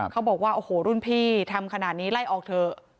เขาบอกว่าโอ้โหรุ่นพี่ทำขนาดนี้ไล่ออกเถอะ